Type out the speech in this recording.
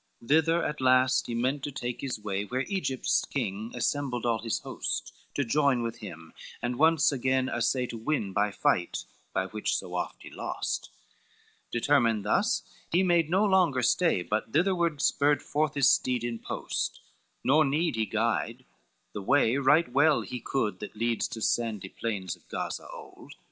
IV Thither at last he meant to take his way, Where Egypt's king assembled all his host, To join with him, and once again assay To win by fight, by which so oft he lost: Determined thus, he made no longer stay, But thitherward spurred forth his steed in post, Nor need he guide, the way right well he could, That leads to sandy plains of Gaza old.